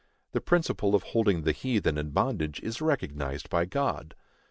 The principle of holding the heathen in bondage is recognized by God.